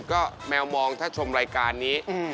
ก็แมวมองถ้าชมรายการนี้